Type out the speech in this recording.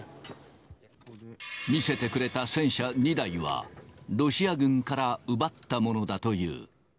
見せてくれた戦車２台は、ロシア軍から奪ったものだという。